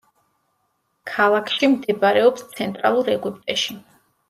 ქალაქში მდებარეობს ცენტრალურ ეგვიპტეში.